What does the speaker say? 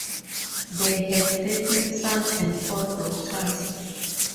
They had thirteen sons and four daughters.